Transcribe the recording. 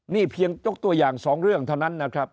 นี่เพียงยกตัวอย่าง๒เรื่องเท่านั้นนะครับ